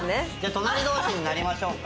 隣同士になりましょうか。